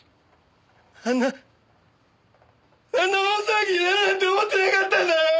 あんなあんな大騒ぎになるなんて思ってなかったんだよ！